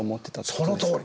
そのとおり！